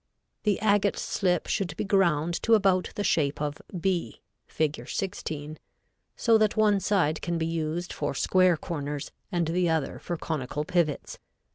The agate slip should be ground to about the shape of B, Fig. 16, so that one side can be used for square corners and the other for conical pivots.